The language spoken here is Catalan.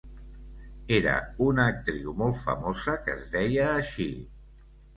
Era una actriu molt famosa que es deia així!